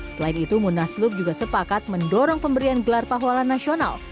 selain itu munaslup juga sepakat mendorong pemberian gelar pahwalan nasional